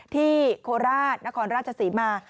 โคราชนครราชศรีมา